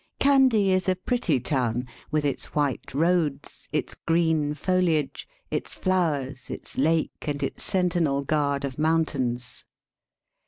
Kandy is a pretty town, with its white roads, its green foliage, its flowers, its lake, and its sentinel guard of mountains.